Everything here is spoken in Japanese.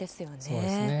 そうですね。